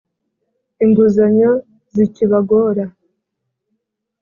Inguzanyo zikibagora